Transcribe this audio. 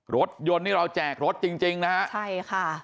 รถยนต์นี่เราแจกรถจริงจริงนะฮะใช่ค่ะ